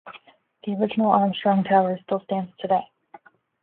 The original Armstrong tower still stands today.